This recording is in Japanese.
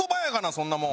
そんなもん。